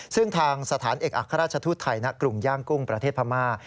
ซึ่งทางสถานเอกอัครราชทูตไทยณกรุงย่างกุ้งประเทศพม่า